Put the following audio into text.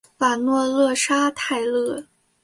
瓦诺勒沙泰勒。